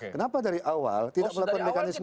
kenapa dari awal tidak melakukan mekanisme